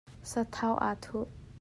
Sathau aa thuh.